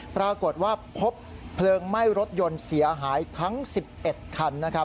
ปรากฏว่าพบเพลิงไหม้รถยนต์เสียหายทั้ง๑๑คันนะครับ